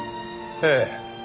ええ。